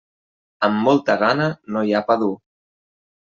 Amb molta gana no hi ha pa dur.